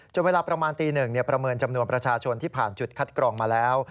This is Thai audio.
เวลาประมาณตี๑ประเมินจำนวนประชาชนที่ผ่านจุดคัดกรองมาแล้ว